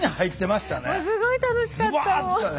すごい楽しかったもう。